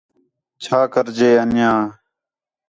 چَھا کر ڄے انڄیاں